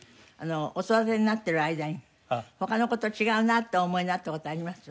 お育てになってる間に他の子と違うなとお思いになった事あります？